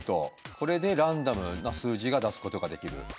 これでランダムな数字が出すことができる。